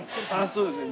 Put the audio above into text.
そうですか。